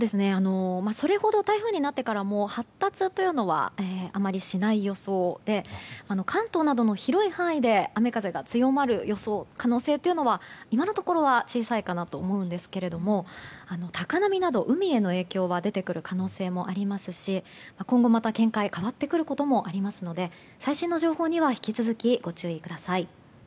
台風になってからもそれほど発達というのはあまりしない予想で関東などの広い範囲で雨風が強まる可能性というのは今のところは小さいかなと思うんですけれども高波など海への影響は出てくる可能性はありますし今後、また展開が変わってくることもありますので最新の情報には引き続きご注意ください。